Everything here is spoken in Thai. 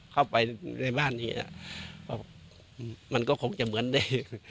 เข้าไปในบ้านอย่างเงี้ยมันก็คงจะเหมือนได้